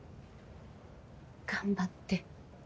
頑張って。